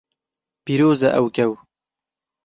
Pîroz e ew kew.